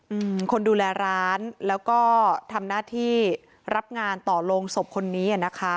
อืมคนดูแลร้านแล้วก็ทำหน้าที่รับงานต่อโรงศพคนนี้อ่ะนะคะ